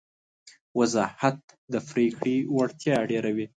وضاحت د پرېکړې وړتیا ډېروي.